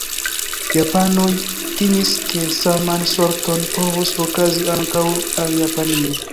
Japanoj timis ke saman sorton povus okazi ankaŭ al Japanio.